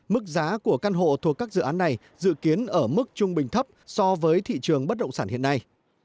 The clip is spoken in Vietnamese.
mức giá của căn hộ thuộc các dự án này dự kiến ở mức trung bình thấp so với thị trường bất động sản hiện nay